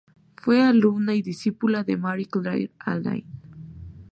Fue alumna y discípula de Marie-Claire Alain.